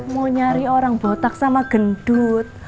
mau nyari orang botak sama gendut